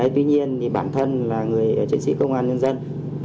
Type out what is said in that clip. tuy nhiên bản thân là người chiến sĩ công an nhân dân